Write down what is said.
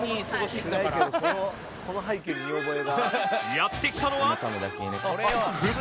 やって来たのは